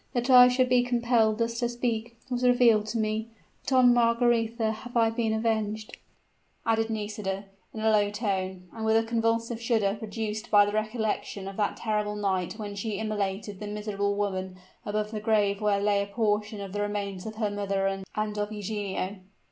that I should be compelled thus to speak was revealed to me! But on Margaretha have I been avenged," added Nisida, in a low tone, and with a convulsive shudder produced by the recollection of that terrible night when she immolated the miserable woman above the grave where lay a portion of the remains of her mother and of Eugenio.